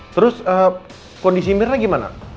terus kondisi myrna gimana